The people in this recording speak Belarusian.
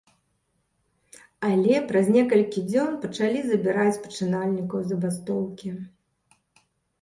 Але праз некалькі дзён пачалі забіраць пачынальнікаў забастоўкі.